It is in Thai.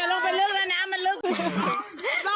ทุกคนทุกคนทุกคนทุกคนทุกคนทุกคน